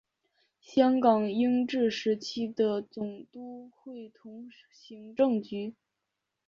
香港英治时期的总督会同行政局。